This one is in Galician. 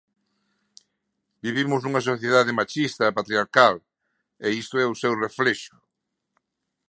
Vivimos nunha sociedade machista, patriarcal, e isto é o seu reflexo.